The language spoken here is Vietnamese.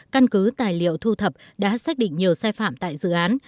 căn cứ tài liệu thu thập đã xác định nhiều sai phạm tại dự án